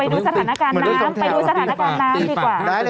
ดูสถานการณ์น้ำไปดูสถานการณ์น้ำดีกว่า